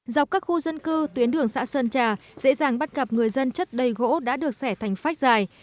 dọc các khu dân cư tuyến đường xã sơn trà dễ dàng bắt gặp người dân chất đầy gỗ đã được xẻ thành phách dài